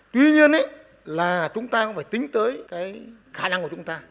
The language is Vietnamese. tuy nhiên là chúng ta cũng phải tính tới cái khả năng của chúng ta